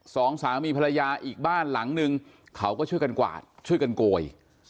สองสามีภรรยาอีกบ้านหลังนึงเขาก็ช่วยกันกวาดช่วยกันโกย